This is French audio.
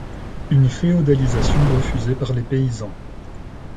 Une féodalisation refusée par les paysans.